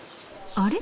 あれ？